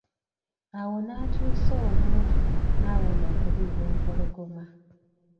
Awo n'akyusa obuufu n'awona okuliibwa empologoma.